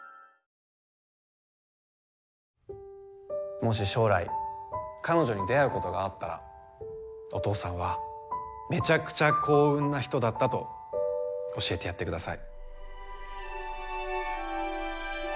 もし将来彼女に出会うことがあったらお父さんはめちゃくちゃ幸運なひとだったと教えてやってください。